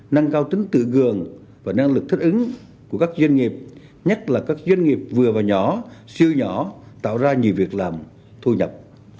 nâng cao tính tự gường và năng lực thích ứng của các doanh nghiệp nhất là các doanh nghiệp vừa và nhỏ siêu nhỏ tạo ra nhiều việc làm thu nhập